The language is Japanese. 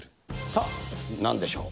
さあ、なんでしょう。